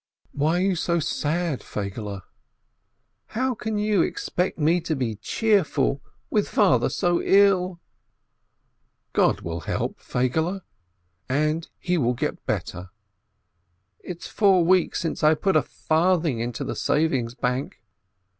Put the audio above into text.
"Why are you so sad, Feigele ?" "How can you expect me to be cheerful, with father so ill?" "God will help, Feigele, and he will get better." "It's four weeks since I put a farthing into the savings bank."